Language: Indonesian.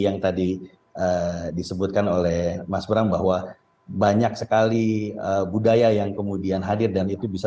yang tadi disebutkan oleh mas bram bahwa banyak sekali budaya yang kemudian hadir dan itu bisa